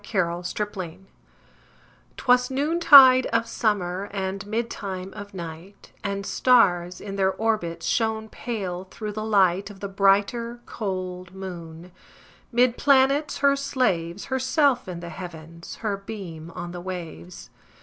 1827 Evening Star 'Twas noontide of summer, And midtime of night, And stars, in their orbits, Shone pale, through the light Of the brighter, cold moon. 'Mid planets her slaves, Herself in the Heavens, Her beam on the waves.